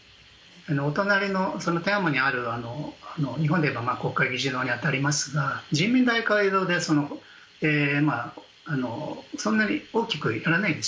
お隣の天安門にある日本でいえば国会に当たりますが人民大会議堂で今そんなに大きくやらないんです。